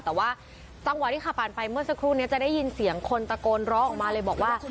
แต่ว่าจังหวะที่ขับผ่านไปเมื่อสักครู่นี้จะได้ยินเสียงคนตะโกนร้องออกมาเลยบอกว่า